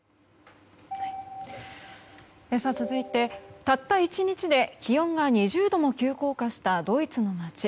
続いて、たった１日で気温が２０度も急降下したドイツの街。